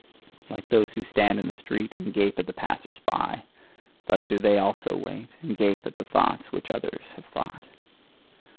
Like those who stand in the street and gape at the passers by: thus do they also wait, and gape at the thoughts which others have thought.